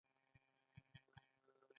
چې دا کولی شي ناوړه یا بې پروا چلند ته